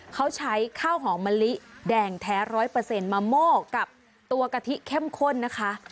เขาใช้ข้าวหอมมะลิแดงแท้๑๐๐มาโม่กับตัวกะทิเข้มข้นนะคะ